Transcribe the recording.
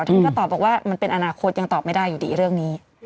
ท่านก็ตอบบอกว่ามันเป็นอนาคตยังตอบไม่ได้อยู่ดีเรื่องนี้